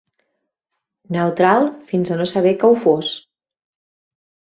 Neutral fins a no saber que ho fos